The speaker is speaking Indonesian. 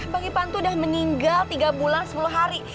bang ipan tuh udah meninggal tiga bulan sepuluh hari